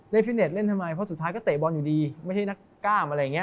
เล่นฟิตเนสเล่นทำไมเพราะสุดท้ายก็เตะบอลอยู่ดีไม่ใช่นักกล้าม